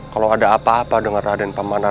kalau ada apa apa dengan raden pamanah